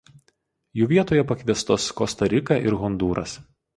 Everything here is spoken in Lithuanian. Jų vietoje pakviestos Kosta Rika ir Hondūras.